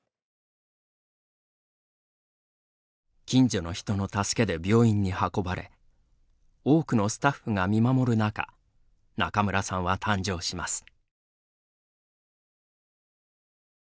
近所の人の助けで病院に運ばれ多くのスタッフが見守る中中村さんは誕生します。